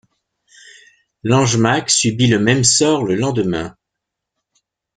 Langemak subit le même sort le lendemain.